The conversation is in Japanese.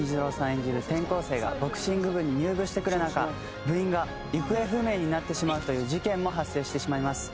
演じる転校生がボクシング部に入部してくる中部員が行方不明になってしまうという事件も発生してしまいます。